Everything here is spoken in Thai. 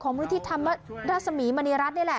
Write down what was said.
ของมือธิธรรมดรัสมิมณิรัติเนี่ยแหละ